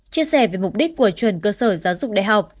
chia sẻ về mục đích của chuẩn cơ sở giáo dục đại học